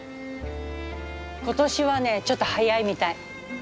今年はねちょっと早いみたい。